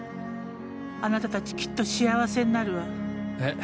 あなたたちきっと幸せになるわ。